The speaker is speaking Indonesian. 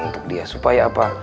untuk dia supaya apa